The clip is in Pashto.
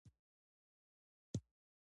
دا حکم زموږ د چلند بڼه ټاکي.